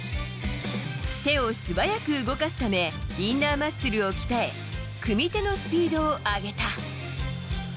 手を素早く動かすためインナーマッスルを鍛え組み手のスピードを上げた。